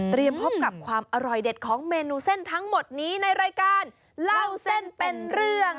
พบกับความอร่อยเด็ดของเมนูเส้นทั้งหมดนี้ในรายการเล่าเส้นเป็นเรื่อง